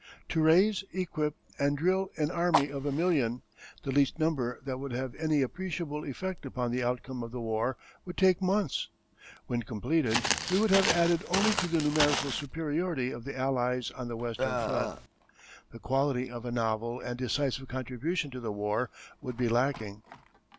To raise, equip, and drill an army of a million, the least number that would have any appreciable effect upon the outcome of the war, would take months. When completed we would have added only to the numerical superiority of the Allies on the Western Front. The quality of a novel and decisive contribution to the war would be lacking.